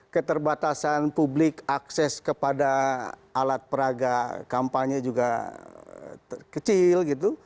keterbatasan publik akses kepada alat peraga kampanye juga kecil gitu